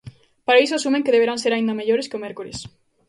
Para iso asumen que deberán ser aínda mellores que o mércores.